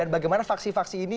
dan bagaimana faksi faksi ini